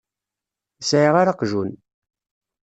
Ur sɛiɣ ara aqjun.